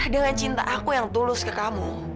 dengan cinta aku yang tulus ke kamu